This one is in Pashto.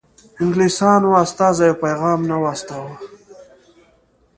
انګلیسیانو استازی او پیغام نه و استاوه.